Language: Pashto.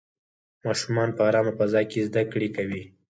ماشومان په ارامه فضا کې زده کړې کوي.